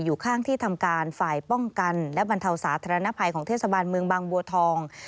อยู่ข้างที่ทำการฝ่ายป้องกันและบรรเทาสาธารณภัยของเทศบาลเมืองบางบัวทอง